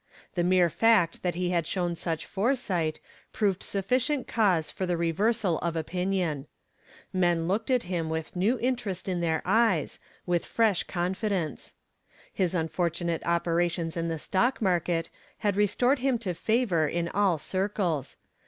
The mere fact that he had shown such foresight proved sufficient cause for the reversal of opinion. Men looked at him with new interest in their eyes, with fresh confidence. His unfortunate operations in the stock market had restored him to favor in all circles.